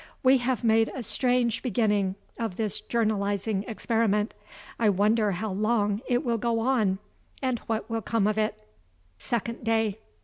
We have made a strange beginning of this journalizing experiment. I wonder how long it will go on, and what will come of it. SECOND DAY.